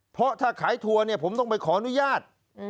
เพราะถ้าขายทัวร์เนี่ยผมต้องไปขออนุญาต